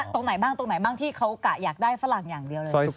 ตรงไหนบ้างตรงไหนบ้างที่เขากะอยากได้ฝรั่งอย่างเดียวเลย